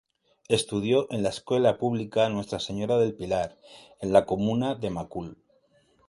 Estudió en la escuela pública "Nuestra señora del Pilar", en la comuna de Macul.